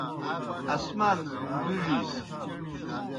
آسمان بِڙِس۔